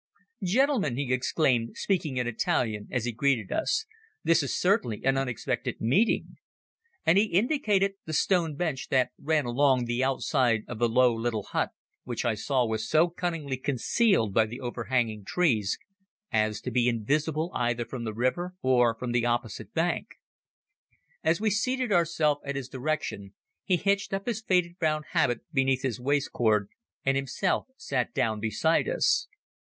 "Gentlemen," he exclaimed, speaking in Italian, as he greeted us, "this is certainly an unexpected meeting," and he indicated the stone bench that ran along the outside of the low little hut, which I saw was so cunningly concealed by the overhanging trees as to be invisible either from the river or from the opposite bank. As we seated ourselves at his direction, he hitched up his faded brown habit beneath his waist cord and himself sat down beside us.